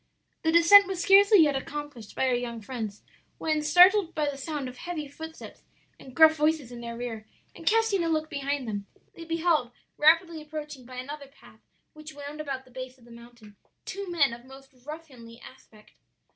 "The descent was scarcely yet accomplished by our young friends, when startled by the sound of heavy footsteps and gruff voices in their rear, and casting a look behind them, they beheld, rapidly approaching by another path which wound about the base of the mountain, two men of most ruffianly aspect.